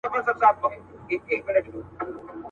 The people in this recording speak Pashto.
سره ټول به شاعران وي هم زلمي هم ښکلي نجوني.